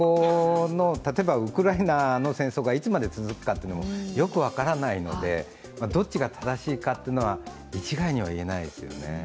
ウクライナの戦争がいつまで続くか、よく分からないのでどっちが正しいかは一概には言えないですね。